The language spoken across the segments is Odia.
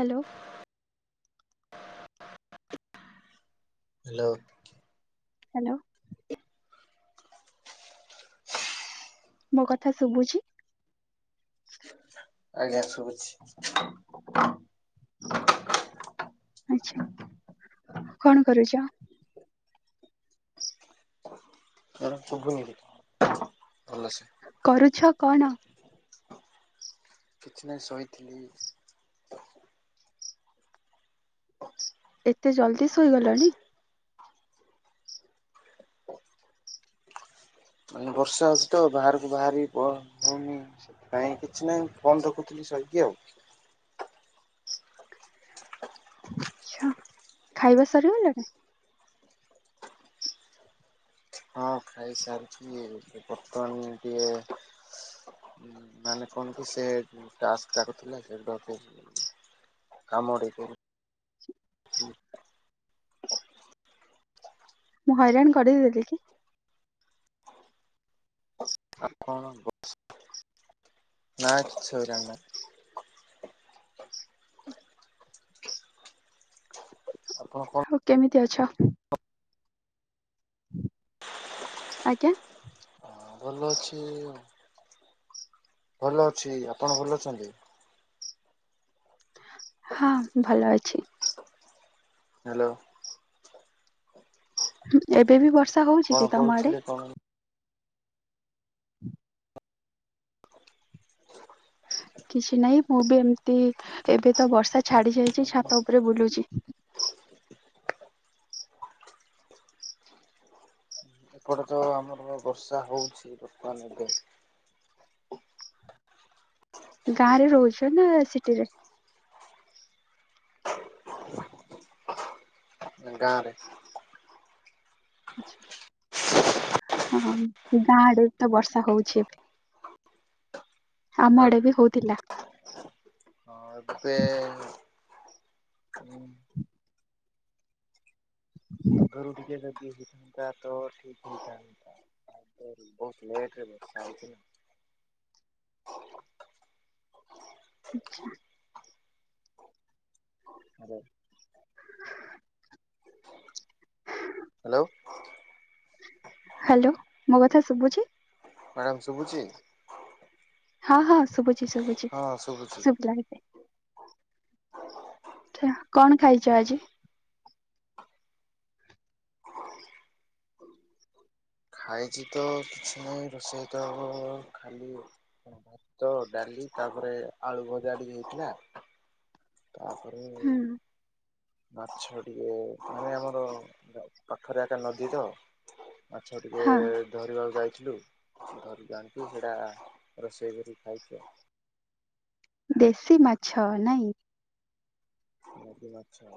ହାଲୋ। ହାଲୋ। ହ୍ୟାଲୋ। ମୋ କଥା ଶୁଭୁଛି। ଆଜ୍ଞା ଶୁଭୁଛି। ଆଚ୍ଛା କଣ କରୁଚ? ମ୍ୟାଡାମ୍ ଶୁଭୁନି କିଛି ଭଲ ସେ। କରୁଛ କଣ? କିଛି ନାହିଁ ଶୋଇଥିଲି। ଏତେ ଜଲଦି ଶୋଇଗଲଣି। ମାନେ ବର୍ଷା ହଉସି ତ ବାହାରୁକୁ ବାହାରି ବ ହଉନି। କାଇଁ କିଛି ନାହିଁ ଫୋନ୍ ଦେଖୁଥିଲି ଶୋଇକି ଆଉ। ଆଚ୍ଛା ଖାଇବା ସରିଗଲାଣି। ହଁ ଖାଇସାରିଛି ଏ ବର୍ତ୍ତମାନେ ଟିକେ ଉଁ ମାନେ କଣ କି ସେ ଟାସ୍କ ଯାକ ଥିଲା ସେଇଡୁ [unintelligible] କାମ ଟିକେ କରୁ ଚି ମୁଁ ହଇରାଣ କରିଦେଲି କି। ହ ଆଉ କଣ ନା କିଛି ହଇରାଣ ନାଇଁ। ଆପଣ କଣ ଆଉ କେମିତି ଅଛ? ଆଜ୍ଞା। ହଁ ଭଲ ଅଛି ଆଉ। ଭଲ ଅଛି ଆପଣ ଭଲ ଅଛନ୍ତି। ହଁ ଭଲ ଅଛି। ହ୍ୟାଲୋ। ହୁଁ ଏବେ ବି ବର୍ଷା ହଉଛି କଣ କି ତମ ଆଡେ? କରୁଥିଲେ କଣ କିଛି ନାଇଁ ମୁଁ ବି ଏମତି ଏବେ ତ ବର୍ଷା ଛାଡି ଯାଇଛି ଛାତ ଉପରେ ବୁଲୁଚି। ଏକଡେ ତ ଆମର ବର୍ଷା ହଉଛି ବର୍ତ୍ତମାନ ଏବେ। ଗାଁରେ ରହୁଛ ନା ସିଟିରେ। ଗାଁରେ। ଆଚ୍ଛା। ହଁ ଗାଁ ଆଡେ ତ ବର୍ଷା ହଉଛି ଏବେ। ଆମ ଆଉ ଆଡେ ବି ହଉଥିଲା। ଆଉ ଏବେ ଉଁ ଆଗରୁ ଟିକେ ହେ ଇଏ ହେଇଥାନ୍ତା ତ ଠିକ୍ ହେଇଥାନ୍ତା ଆଗରୁ ବୋହୁତ ଲେଟରେ ବର୍ଷା ହଉଛି ନା। ଆଚ୍ଛା। ହାଲୋ। ହାଲୋ। ହାଲୋ ମୋ କଥା ଶୁଭୁଛି। ମାଡାମ୍ ଶୁଭୁଚି। ହଁ ହଁ ଶୁଭୁଚି ଶୁଭୁ ହଁ ଶୁଭୁଛି। ଜାଣି ପେ ଛ କଣ ଖାଇଛ ଆଜି? ଖାଇଚି ତ କିଛି ନାହିଁ ରୋଷେଇ ତ ହବ ଖାଲି ଅ ଭାତ ଡାଲି ତାପରେ ଆଳୁ ଭଜା ଟିକେ ହୋଇଥିଲା। ତାପରେ ହୁଁ ମାଛ ଟିକେ ମାନେ ଆମର ପା ପାଖରେ ହେଟା ନଦୀ ତ ଆଛା ଟିକେ ହଁ ଧରିବାକୁ ଯାଇଥିଲୁ ଧରିବା ଆଣିକି ସେଇଟା ରୋଷେଇ କରିକ ଖାଇଛୁ ଆଉ। ଦେଶୀ ମାଛ ନାଇଁ। ନଦୀ ମାଛ।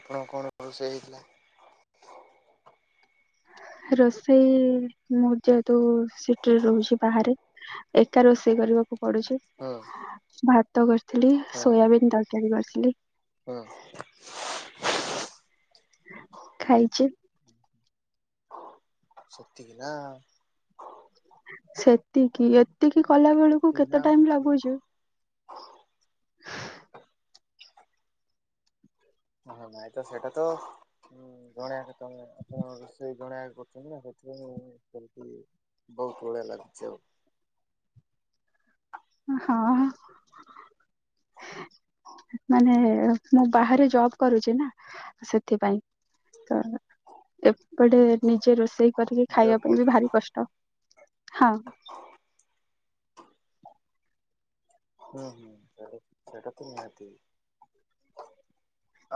ଆପଣଙ୍କ କଣ ରୋଷେଇ ହେଇଥିଲା। ରୋଷେଇ ମୁଁ ଯେହେତୁ ସିଟିରେ ରହୁଛି ବାହାରେ। ଏକା ରୋଷେଇ କରିବା କୁ ପଡୁଛି ହୁଁ ଭାତ କରିଥିଲି ସୋୟାବିନ୍ ତରକାରୀ କରିଥିଲି। ହଁ। ଖାଇଛି। ସେତିକି ନା ସେତିକି ଏତିକି କଲା ବେଳକୁ ସେତିକି ନା କେତେ ଆଉ ଟାଇମ କିଛି ଲାଗୁଚି। ହଁ ନାଇଁ ତ ସେଇଟା ତ ହୁଁ ଜଣେଆକା ତମେ ଆପଣ ରୋଷେଇ ଜଣେଆକା କରୁଛନ୍ତି ନା ସେଥିଇଁ ମୁଁ କରିକି ବ ହୁ ଳିଆ ଲାଗୁଛି ଆଉ। ଅ ହଁ। ମାନେ ମୁଁ ବାହାରେ ଜବ କରୁଛି ନା ସେଥିପାଇଁ। ତ ଏପଟେ ନିଜେ ରୋଷେଇ କରିକି ଜବ୍ ଖାଇବା ପାଇଁ ବି କରୁଛନ୍ତି ଭାରି କଷ୍ଟ ହଁ। ହୁଁ ହୁଁ ସେଟା ସେଇଟ ତ ନିହାତି ହଁ।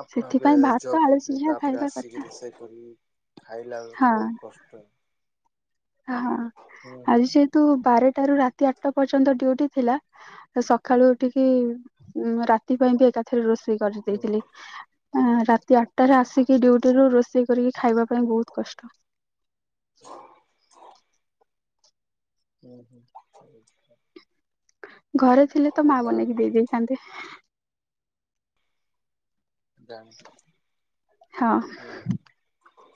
ଆପଣ ଏବେ ସେଥିପାଇଁ ଜବ ଭାତ ଆଳୁ କୁ ଯିବେ ସିଝା ତାପରେ ଖାଇବା କଥା ଆସିକିରି ରୋସେଇ କରିକି ଖାଇଲା ହଁ ବେଳକୁ ବହୁତ କଷ୍ଟ। ହଁ ହୁଁ ହୁଁ ଆଜି ସେତୁ ବାରଟା ରୁ ରାତି ଆଠଟା ପର୍ଯ୍ୟନ୍ତ ଡିଉଟି ଥିଲା। ତ ସକାଳୁ ଉଠିକି ଉ ରାତି ପାଇଁ ବି ଏକାଥରେ ରୋଷେଇ ହୁଁ କରିଦେଇଥିଲି। ଅଁ ରାତି ଆଠଟାରେ ଆସିକି ଡ୍ୟୁଟିରୁୁ ରୋଷେଇ କରିକି ଖାଇବା ପାଇଁ ବହୁତ କଷ୍ଟ। ହୁଁ ହୁ। [unintelligible] ଘରେ ଥିଲେ ତ ମା ବନେଇକି ହଉ ଦେଇ ତୁ ଦେଇଥାନ୍ତେ। ହଁ ଜାଣିଛି ହୁଁ।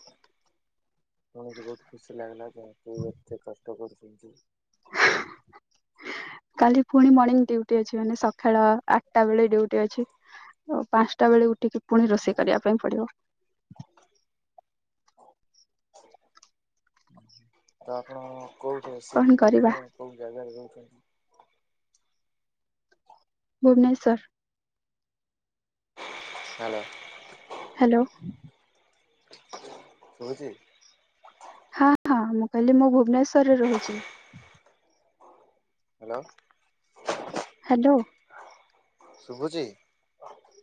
ଶୁଣିକି ବହୁତ ଖୁସି ଲାଗିଲା ଯେହେତୁ ଏତେ କଷ୍ଟ କରୁଛନ୍ତି। [inaudible] କାଲି ପୁଣି ମର୍ଣିଂ ଡିଉଟି ଅଛି ମାନେ ସକାଳ ଆଟା ବେଳେ ଡିଉଟି ଅଛି। ଓ ପାନ୍ସଟା ବେଳେ ଉଠିକି ପୁଣି ରୋଷେଇ କରିବା ପାଇଁ ପଡିବ। ତ ଆପଣ କୋଉଠି କଣ ସିପ୍ଟ ରେ ମାନେ କରିବା କୋଉ ଜାଗାରେ ରହୁଛନ୍ତି। ଭୁବନେଶ୍ୱର। ହ୍ୟାଲୋ। ହ୍ୟାଲୋ। ଶୁଭୁଛି? ହଁ ହଁ ମୁଁ କହିଲି ମୁଁ ଭୁବନେଶ୍ୱରରେ ରହୁଛି। ହ୍ୟାଲୋ। ହ୍ୟାଲୋ। ଶୁଭୁଛି?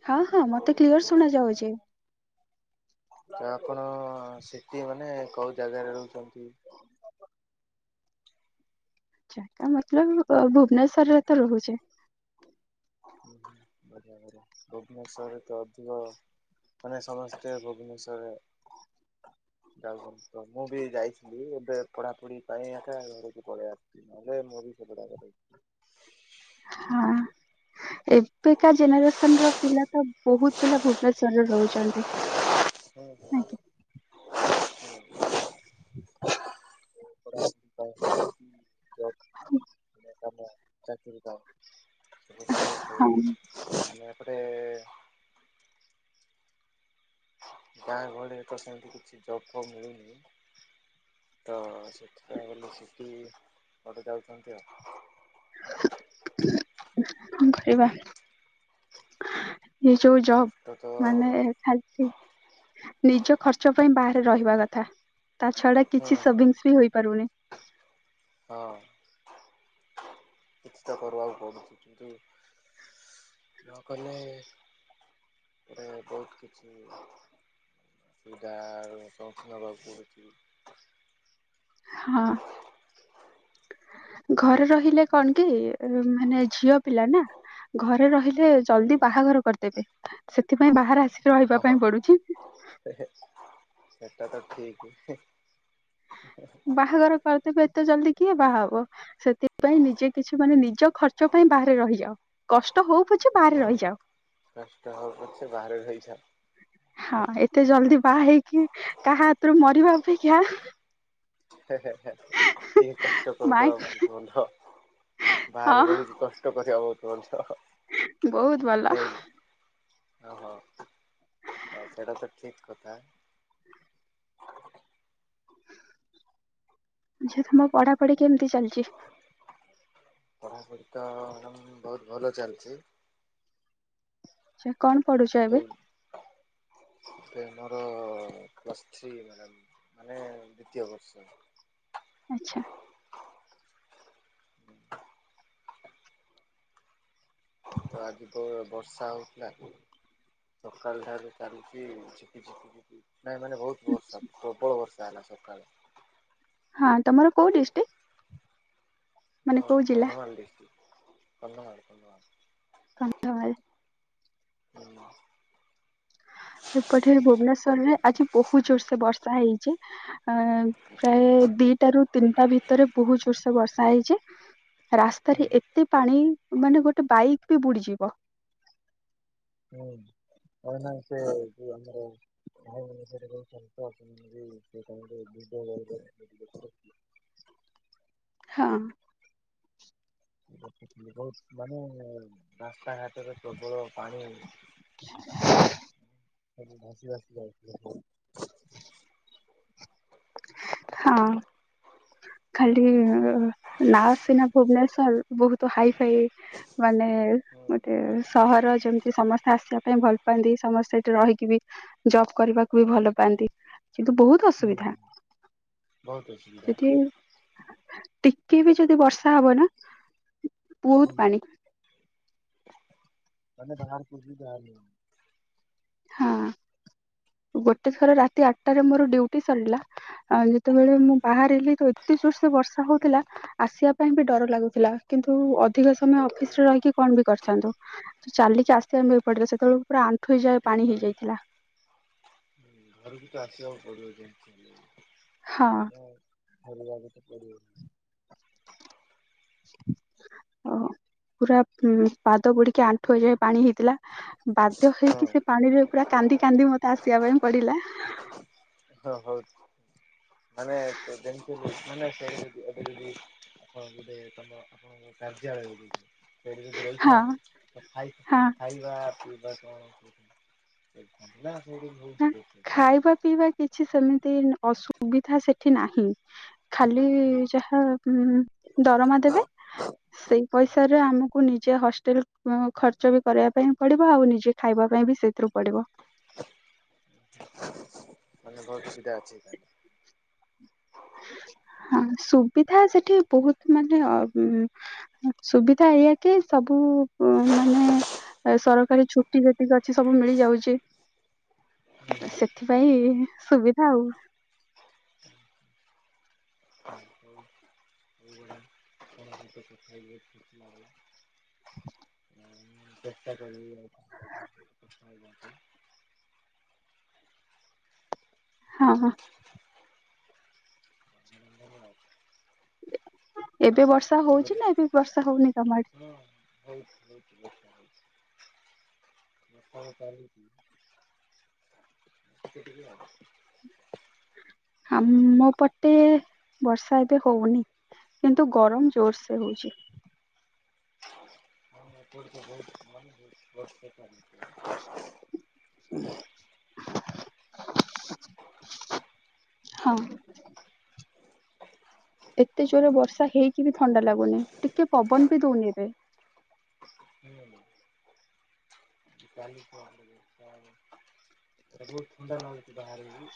ହଁ ହଁ ମତେ କ୍ଲିୟର ଶୁଣା ଯାଉଛି। ତ ଆପଣ ସିଟି ମାନେ କୋଉ ଜାଗାରେ ରହୁଛନ୍ତି? ଜାଗା ମତଲବ୍ ଅ ଭୁବନେଶ୍ଵରରେ ତ ରହୁଛି। [unintelligible] ଭୁବନେଶ୍ୱରରେ ତ ଅଧିକ ମାନେ ସମସ୍ତେ ଭୁବନେଶ୍ଵରରେ ଯାଉଛନ୍ତି ତ ମୁଁ ବି ଯାଇଥିଲି ଏବେ ପଢାପଢି ପାଇଁ ଆକା ଏବେ ଘରକୁ ପଳେଇ ଆସି ନହେଲେ ମୁ ବି ସେପଟେ ଆକା ରହି ଥାଆନ୍ତି। ହଁ। ଏବେକା ଜେନେରେସନ ର ପିଲା ତ ବହୁତ ପିଲା ଭୁବନେଶ୍ଵରରେ ରହୁଚନ୍ତି। [unintelligible] [unintelligible] ଆଜ୍ଞା ଚାକିରୀ କାଇଁ ହଁ ମାନେ ଏପଟେ ଗାଁ ଗହଳିରେ ତ ସେମିତି କିଛି ଜବ ଫବ ମିଳିନି। ତ ସେଥିପାଇଁ ବୋଲି ସେଠି ପଳେଇ ଯାଉଛନ୍ତି ଆଉ। କଣ କରିବା। ଏ ଯୋଉ ଜବ୍ କଷ୍ଟ ତ ମାନେ ହୁଁ ଖାଣ୍ଟି ନିଜ ଖର୍ଚ୍ଚ ପାଇଁ ବାହାରେ ରହିବା କଥା ତା ଛଡା ହୁଁ କିଛି ସେଭିଙ୍ଗସ ବି ହୋଇପାରୁନି। ହଁ। କିଛି ତ କରିବାକୁ ପଡ଼ୁଚି କିନ୍ତୁ ନକଲେ ମତେ ବହୁତ କିଛି ସୁବିଧାର ସମ୍ମୁଖୀନ ହବାକୁ ପଡ଼ୁଛି। ହଁ। ଘରେ ରହିଲେ କଣ କି ମାନେ ଝିଅ ପିଲା ନା ଘରେ ରହିଲେ ହୁଁ ଜଲଦି ବାହାଘର କରିଦେବେ ସେଥିପାଇଁ ବାହାରେ ଆସିକି ରହିବା ପାଇଁ ପଡୁଛି। ହେ ହେ ସେଟା ତ ଠିକ। ବାହାଘର କରିଦେବେ ଏତେ ଜଲଦି କିଏ ବାହା ହବ, ସେଥିପାଇଁ ନିଜେ କିଛି ମାନେ ଠିକ ନିଜ ଖର୍ଚ୍ଚ ର୍ଚ୍ଚ ପାଇଁ ବାହାରେ ରହିଯାଅ କଷ୍ଟ ହଉ ପଛ ବାହାରେ ହୁଁ ରହିଯାଅ। କଷ୍ଟ ହଉ ପଛେ ବାହାରେ ରହିଯାଅ। ହଁ ଏତେ ଜଲଦି ବାହା ହେଇକି କାହା ହାତରୁ ମରିବା ଅପେକ୍ଷା ହେ ହେ ଟିକେ କଷ୍ଟ ମାଇଁ କରିଦବା ଭଲ। ହଁ ବାହାରେ ରହିିକି କଷ୍ଟ କରିବା ବହୁତ ଭଲ ବହୁତ ଭଲ ନାଇଁ। ଓହୋ ସେଟା ତ ଠିକ କଥା। ଝିଅ ତମ ପଢାପଢି କେମିତି ଚାଲିଚି? ପଢ଼ାପଢ଼ି ତ ଉମ ବହୁତ ଭଲ ଚାଲିଚି। ଆଛା କଣ ପଢୁଛ ଏବେ? ଏ ମୋର ପ୍ଲସ ଥ୍ରୀ ମାଡାମ ମାନେ ଦ୍ୱିତୀୟ ବର୍ଷ। ଆଚ୍ଛା। ତ ଆଜି ତ ବର୍ଷା ହଉଥିଲା ସକାଳ ଟାରୁ ଚାଲିଚି ଝିପି ଝିପି ନାଇଁ ମାନେ ବହୁତ ବର୍ଷା ପ୍ରବଳ ବର୍ଷା ହେଲା ସକାଳେ। ହଁ ତମର କଉ ଡିଷ୍ଟିକ? ଆମର ଜିଲ୍ଲା? କନ୍ଧମାଳ ଡିଷ୍ଟ୍ରିକ କନ୍ଧମାଳ କନ୍ଧମାଳ। କନ୍ଧମାଳ। ହୁଁ। ଏପଟରେ ଭୁବନେଶ୍ୱର ରେ ଆଜି ବହୁତ ଜୋରସେ ବର୍ଷା ହେଇଚି। ଆଁ ପ୍ରାୟ ଦିଟା ରୁ ତିନିଟା ଭିତରେ ବହୁତ ଜୋରସେ ବର୍ଷା ହେଇଚି। ହୁଁ ରାସ୍ତାରେ ଏତେ ପାଣି ମାନେ ଗୋଟେ ବାଇକ ବି ବୁଡିଯିବ। ହୁଁ। [unintelligible] [unintelligible] ଭିଡିଓ କରିକି [unintelligible] ହଁ। ବହୁତ ମାନେ ରାସ୍ତାଘାଟରେ ପ୍ରବଳ ପାଣି [unintelligible] [unintelligible] ଭାସି ଭାସି ଯାଉ [unintelligible] ହଁ। ଖାଲି ନାଁ ସିନା ଭୁବନେଶ୍ଵର ବହୁତ ହାଇ ଫାଇ ମାନେ ଏ ଗୋଟେ ହୁଁ ସହର ଯେମିତି ସମସ୍ତେ ଆସିବା ପାଇଁ ଭଲ ପାଆନ୍ତି, ସମସ୍ତେ ଏଠି ରହିକି ବି ଜବ୍ କରିବାକୁ ବି ଭଲ ପାଆନ୍ତି କିନ୍ତୁ ବହୁତ ହୁଁ, ଅସୁବିଧା ବହୁତ ଅସୁବି ସେଠି ଟିକେ ବି ଯଦି ବର୍ଷା ହବ ନା ବହୁତ ପାଣି। ମାନେ ବାହାରକୁ ବି ବାହାରି ହଉନି। ହଁ। ଗୋଟେ ଥର ରାତି ଆଟରେ ମୋର ଡ୍ୟୁଟି ସରିଲା ଅଁ, ଯେତେବେଳେ ମୁଁ ହଉନି। ବାହାରିଲି ତ ଏ ଏତେ ଜୋର ସେ ବର୍ଷା ହଉଥିଲା ଆସିବା ପାଇଁ ବି ଡର ଲାଗୁଥିଲା, କିନ୍ତୁ ଅଧିକ ସମୟ ଅଫିସ୍ ରେ ରହିକି କଣ ବି କରିଥାନ୍ତୁ। ତ ଚାଲିକି ଆସିବା ପାଇଁ ଏପଟରେ ସେତେବେଳୁ ପୁରା ଆଣ୍ଠୁ ଏ ଯାଏ ପାଣି ଘର ହେଇଯାଇଥିଲା। ଘରକୁ ତ ଆସିବାକୁ ପଡିବ ଯେମିତି ହଁ [inaudible] ଫେରିବାକୁ ତ ପଡିବ [inaudible] [unintelligible] ଓହୋ, ପୁରା ଉଁ, ପାଦ ବୁଡିକି ଆଣ୍ଠୁଏ ଯାଏ ପାଣି ହେଇଥିଲା। ବା ଧ୍ୟ ହଁ ହେଇକି ସେ ପାଣିରେ ପୁରା କାନ୍ଦି କାନ୍ଦି ମୋତେ ଆସିବା ପାଇଁ ପଡିଲା। ହଁ ବହୁତ ମାନେ ଗୋଟେ ଜିନିଷ ମାନେ ସେଠି ଅଭିବୃଦ୍ଧି ବୋଧେ ତମେ ହଁ। [inaudible] କାର୍ଯ୍ୟାଳୟ [inaudible] ତ ହଁ ରଇଥାନ୍ତି ଖାଇ ହଁ ଖାଇବା ପିଇବା କଣ [inaudible] ନା ସେଇଠୁ ସବୁ ଠିକ୍ ଅଛି। ଖାଇବା ପିଇବା କିଛି ସେମିତି ନ-ଅସୁବିଧା ସେଠି ନାହିଁ, ଖାଲି ଖାଇ ଏହୋ ଉଁ, ଦରମା ଦେବେ ସେଇ ପଇସାରେ ଆମ କୁ ନିଜ ହଷ୍ଟେଲ୍ ଉଁ, ଖର୍ଚ୍ଚ ବି କରିବା ପାଇଁ ପଡିବ, ଆଉ ନିଜେ ଖାଇବା ପାଇଁ ବି ସେଇଥିରୁ ପଡିବ। ମାନେ ବହୁତ ସୁବିଧା ଅଛି ତାହେଲେ। ହଁ ସୁବିଧା ସେଠି ବହୁତ ମାନେ ଅ, ଉଁ, ହଁ ସୁବିଧା ଏଇଆ କି ସବୁ ଉଁ, ମାନେ ଏ ସରକାରୀ ଛୁଟି ଯେତିକି ଅଛି ସବୁ ମିଳିଯାଉଛି। ତ ଆପଣଙ୍କ ସେଥିପାଇଁ ସୁବିଧା ଆଉ। ହଉ। ହଉ ବଢିଆ। [inaudible] [inaudible] ଚେଷ୍ଟା କରିବି [inaudible] ହଁ, ହଁ। ମୁଁ ମୋ ଏବେ ବର୍ଷା ହଉଛି ନା ହଁ ଏବେ ବି ବର୍ଷା ହଉନି ତୋମ ଆଡେ? ହଉଛି [inaudible] ବର୍ଷା ଫର୍ଷା [inaudible] [inaudible] ଆମ ପଟେ ବର୍ଷା ଏବେ ହଉନି। କିନ୍ତୁ ଗରମ ଜୋରସେ ହଉଛି। ହଁ ଏପଟେ ତ ବହୁତ ମାନେ ବର୍ଷା [inaudible] ହଁ। ଏତେ ଜୋରରେ ବର୍ଷା ହେଇକି ବି ଥଣ୍ଡା ଲାଗୁନି, ଟିକେ ପବନ ବି ଦଉନି ଏବେ। [inaudible] କାଲି ଫୋନ୍ [inaudible] ବହୁତ ଥଣ୍ଡା ନାଗୁଚି ବାହାରେ ବି।